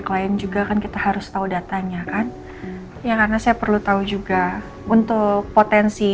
klien juga kan kita harus tahu datanya kan ya karena saya perlu tahu juga untuk potensi